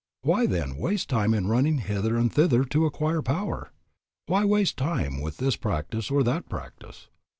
Why, then, waste time in running hither and thither to acquire power? Why waste time with this practice or that practice?